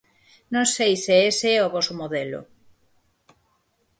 Non sei se ese é o voso modelo.